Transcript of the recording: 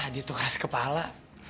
dia tuh keras kepala